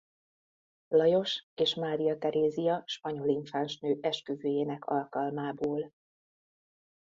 Lajos és Mária Terézia spanyol infánsnő esküvőjének alkalmából.